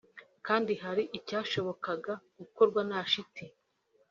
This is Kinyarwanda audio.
kandi hari icyashobokaga gukorwa nta shiti